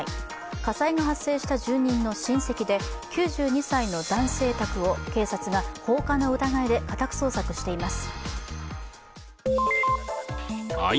火災が発生した住人の親戚で９２歳の男性宅を警察が放火の疑いで家宅捜索しています。